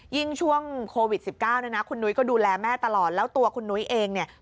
ช่วงโควิด๑๙เนี่ยนะคุณนุ้ยก็ดูแลแม่ตลอดแล้วตัวคุณนุ้ยเองเนี่ย